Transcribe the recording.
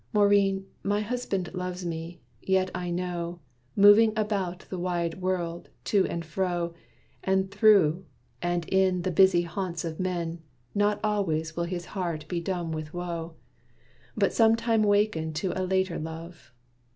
Maurine, my husband loves me; yet I know, Moving about the wide world, to and fro, And through, and in the busy haunts of men, Not always will his heart be dumb with woe, But sometime waken to a later love.